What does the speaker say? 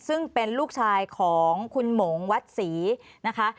ซึ่งเป็นลูกชายของคุณหมงวัดศรีนะคะ